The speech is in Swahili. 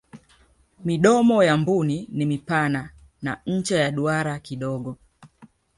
midomo ya mbuni ni mipana na ncha ya duara kidogo